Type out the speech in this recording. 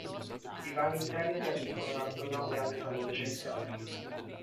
I vani interni si articolano attorno ad un grande salone centrale.